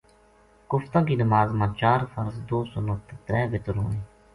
کفتاں کی نماز ما چار فرض، دو سنت تے ترے وتر ہوویں۔